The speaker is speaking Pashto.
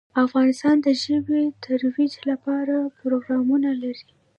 افغانستان د ژبې د ترویج لپاره پروګرامونه لري.